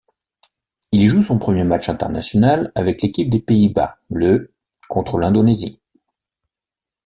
Il joue son premier match international avec l'équipe des Pays-Bas le contre l'Indonésie.